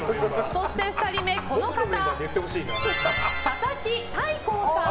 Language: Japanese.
そして２人目、佐々木大光さん。